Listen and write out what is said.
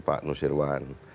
ada pak nusirwan